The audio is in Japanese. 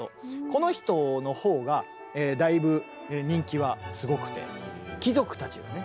この人のほうがだいぶ人気はすごくて貴族たちはね